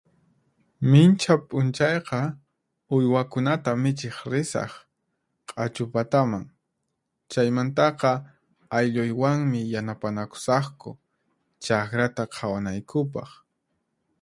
Minchha p'unchayqa, uywakunata michiq risaq q'achu pataman, chaymantaqa aylluywanmi yanapanakusaqku chaqrata qhawanaykupaq.